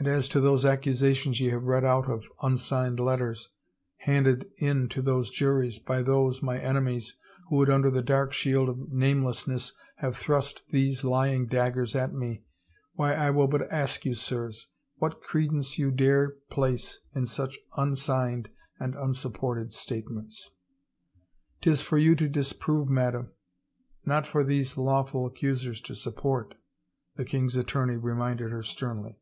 And as to those accusations ye have read out of un signed letters, handed in to these juries by those, my enemies, who under the dark shield of namelessness have thrust these lying daggers at me, why I will but ask you, sirs, what credence you dare place in such unsigned and unsupported statements ?"" 'Tis for you to disprove, madam, not for these law 356 r THE TRIAL •ful accusers to support," the king's attorney reminded her sternly.